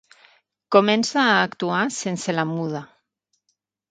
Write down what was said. Comença a actuar sense la muda.